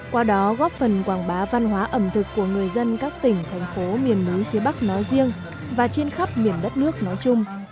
qua đó góp phần quảng bá văn hóa ẩm thực của người dân các tỉnh thành phố miền núi phía bắc nói riêng và trên khắp miền đất nước nói chung